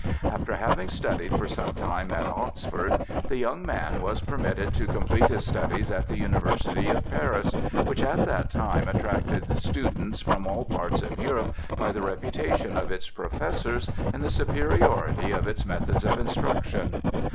After having studied for some time at Oxford, the young man was permitted to complete his studies at the University of Paris, which at that time attracted students from all parts of Europe by the reputation of its professors and the superiority of its methods of instruction.